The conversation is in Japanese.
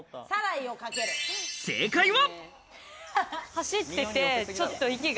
正解は。